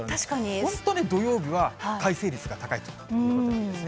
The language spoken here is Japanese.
本当に土曜日は快晴率が高いということなんですね。